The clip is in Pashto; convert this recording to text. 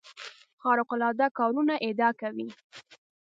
خارق العاده کارونو ادعا کوي.